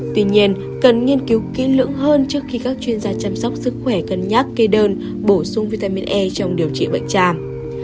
tuy nhiên cần nghiên cứu kỹ lưỡng hơn trước khi các chuyên gia chăm sóc sức khỏe cân nhắc kê đơn bổ sung vitamin e trong điều trị bệnh tràm